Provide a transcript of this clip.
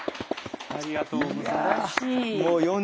ありがとうございます。